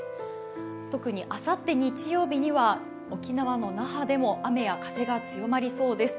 特にあさって日曜日には沖縄の那覇でも雨や風が強まりそうです。